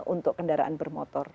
untuk kendaraan bermotor